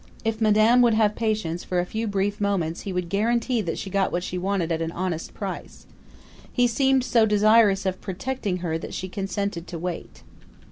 If madame would have patience for a few brief moments he would guarantee that she got what she wanted at an honest price. He seemed so desirous of protecting her that she consented to wait.